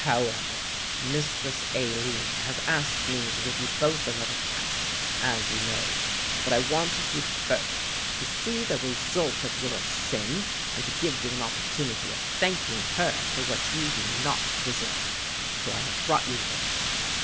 However, Mistress Aline has asked me to give you both another chance, as you know; but I wanted you first to see the result of your sin and to give you an opportunity of thanking her for what you do not deserve; so I have brought you here.